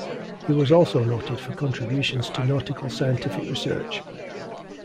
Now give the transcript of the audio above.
He was also noted for contributions to nautical scientific research.